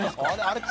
あれ？